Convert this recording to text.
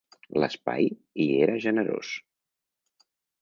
L'espai hi era generós.